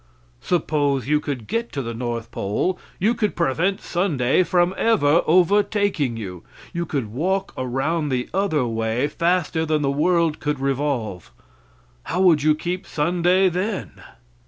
Suppose you could get to the north pole, you could prevent Sunday from ever overtaking you. You could walk around the other way faster than the world could revolve. How would you keep Sunday then?